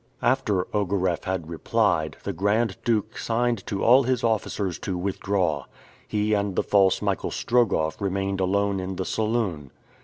After Ogareff had replied, the Grand Duke signed to all his officers to withdraw. He and the false Michael Strogoff remained alone in the saloon.